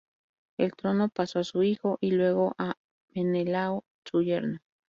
El trono pasó a su hijo y, luego, a Menelao, su yerno.